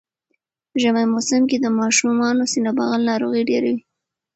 ژمی موسم کی د ماشومانو سینه بغل ناروغی ډیره وی